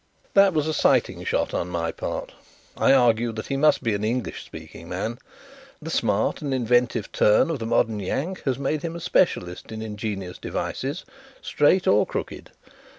"That was a sighting shot on my part. I argued that he must be an English speaking man. The smart and inventive turn of the modern Yank has made him a specialist in ingenious devices, straight or crooked.